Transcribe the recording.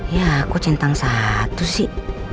ya aku cintang satu sih